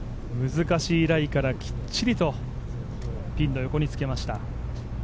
難しいライからきっちりとピンの横につけました。